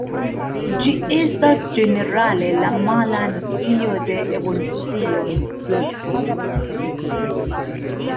Ĝi estas ĝenerale la mala nocio de «Evolucio».